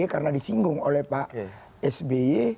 karena disinggung oleh pak sb